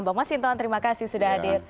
bang masinton terima kasih sudah hadir